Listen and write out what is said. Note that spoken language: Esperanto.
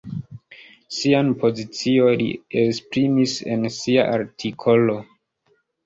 Sian pozicion li esprimis en sia artikolo.